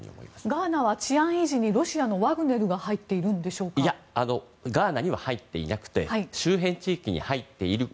ガーナは治安維持にロシアのワグネルがガーナには入っていなくて周辺地域に入っている。